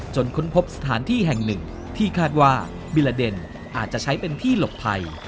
ค้นพบสถานที่แห่งหนึ่งที่คาดว่าบิลาเดนอาจจะใช้เป็นที่หลบภัย